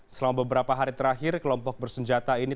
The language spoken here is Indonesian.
selama beberapa hari terakhir kelompok bersenjata ini